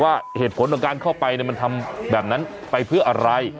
ว่าเหตุผลของการเข้าไปมันทำแบบนั้นไปเพื่ออะไร